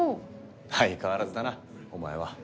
相変わらずだなお前は。